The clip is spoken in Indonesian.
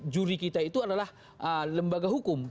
juri kita itu adalah lembaga hukum